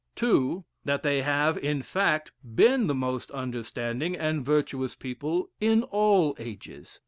(2) That they have, in fact, been the most understanding and virtuous people in all ages.